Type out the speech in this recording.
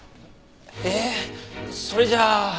えっそれじゃあ。